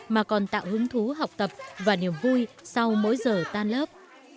mà còn tạo hứng thú học tập và niềm vui sau mỗi giờ tan lớp